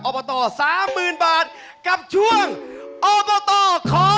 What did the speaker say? โอปโตร๓๐๐๐๐บาทกับช่วงโอปโตรขอแรง